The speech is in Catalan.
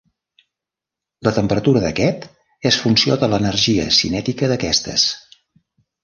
La temperatura d'aquest és funció de l'energia cinètica d'aquestes.